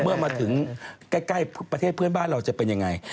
เมื่อมาถึงใกล้ประเทศเพื่อนบ้านเราจะเป็นยังไง